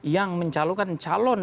yang mencalonkan calon